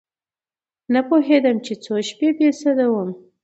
نه پوهېدم چې څو شپې بې سده وم.